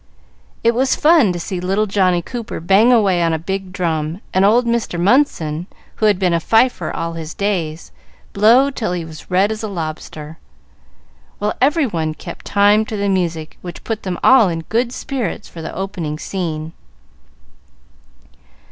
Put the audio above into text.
It was fun to see little Johnny Cooper bang away on a big drum, and old Mr. Munson, who had been a fifer all his days, blow till he was as red as a lobster, while every one kept time to the music which put them all in good spirits for the opening scene.